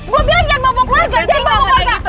gue bilang jangan bobok keluarga